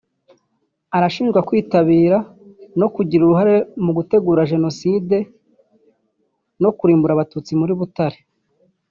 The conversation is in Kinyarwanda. Ashinjwa kwitabira no kugira uruhare mu gutegura Jenoside no kurimbura Abatutsi muri Butare